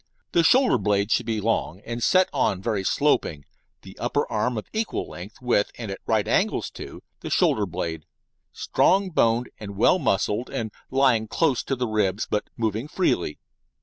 The shoulder blade should be long, and set on very sloping, the upper arm of equal length with, and at right angles to, the shoulder blade, strong boned and well muscled, and lying close to ribs, but moving freely.